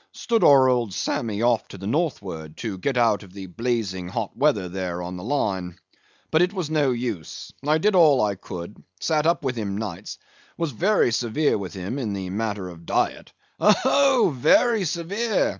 "Stood our old Sammy off to the northward, to get out of the blazing hot weather there on the Line. But it was no use—I did all I could; sat up with him nights; was very severe with him in the matter of diet—" "Oh, very severe!"